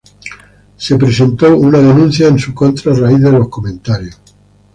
Se presentó una denuncia en su contra a raíz de los comentarios.